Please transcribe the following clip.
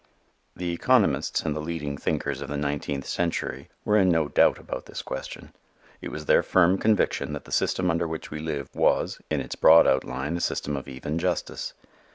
The economists and the leading thinkers of the nineteenth century were in no doubt about this question. It was their firm conviction that the system under which we live was, in its broad outline, a system of even justice.